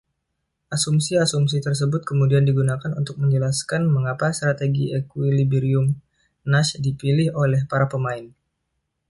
Asumsi-asumsi tersebut kemudian digunakan untuk menjelaskan mengapa strategi ekuilibrium Nash dipilih oleh para pemain.